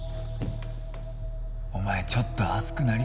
お前ちょっと熱くなり過ぎだよ。